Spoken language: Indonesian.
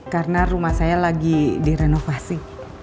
karena rumah saya lagi direnovasi